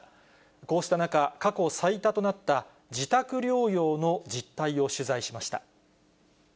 こうした中、過去最多となった自宅療養の実態を取材しました。